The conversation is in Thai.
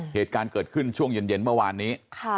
เหตุการณ์เกิดขึ้นช่วงเย็นเมื่อวานนี้